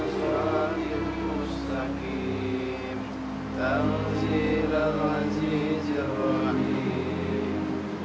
sampai jumpa di desa saksiman